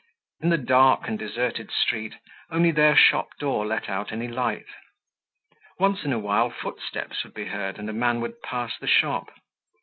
In the dark and deserted street, only their shop door let out any light. Once in a while, footsteps would be heard and a man would pass the shop.